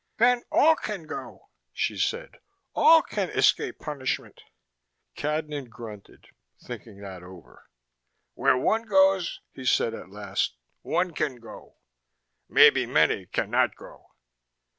"Then all can go," she said. "All can escape punishment." Cadnan grunted, thinking that over. "Where one goes," he said at last, "one can go. Maybe many can not go."